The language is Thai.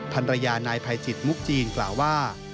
ภรรยานายภัยจิตมุกจีนกล่าวว่า